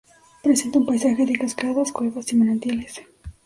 Presenta un paisaje de cascadas, cuevas y manantiales.